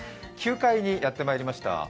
９階にやってまいりました。